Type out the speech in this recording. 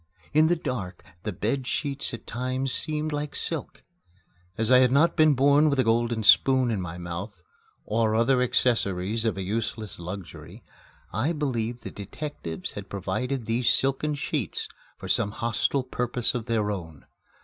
In the dark, the bed sheets at times seemed like silk. As I had not been born with a golden spoon in my mouth, or other accessories of a useless luxury, I believed the detectives had provided these silken sheets for some hostile purpose of their own.